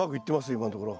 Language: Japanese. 今のところ。